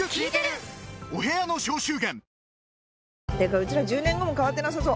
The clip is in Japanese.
うちら１０年後も変わってなさそう。